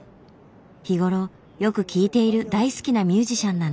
日頃よく聴いている大好きなミュージシャンなんだって。